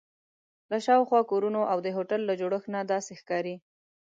له شاوخوا کورونو او د هوټل له جوړښت نه داسې ښکاري.